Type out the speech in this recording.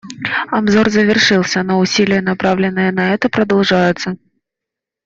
Обзор завершился, но усилия, направленные на это, продолжаются.